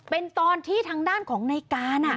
เป็นตอนที่ทางด้านของในการ